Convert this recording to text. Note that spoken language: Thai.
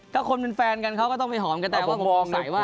ก็คนเป็นแฟนกันเขาก็ต้องไปหอมกระแตว่าผมมองไหนว่า